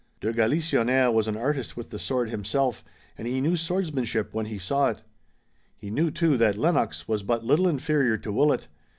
De Galisonnière was an artist with the sword himself, and he knew swordsmanship when he saw it. He knew, too, that Lennox was but little inferior to Willet.